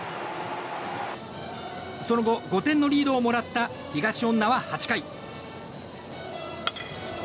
その後、５点のリードをもらった東恩納は８回。